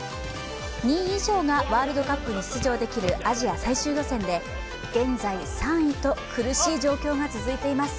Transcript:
２位以上がワールドカップの出場できるアジア最終予選で現在３位と苦しい状況が続いています。